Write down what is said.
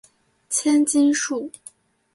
千筋树